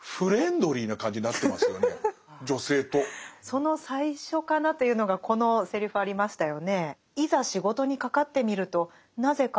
その最初かなというのがこのセリフありましたよね。